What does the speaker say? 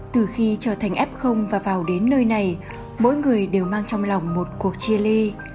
từ khi trở thành f và vào đến nơi này mỗi người đều mang trong lòng một cuộc chia ly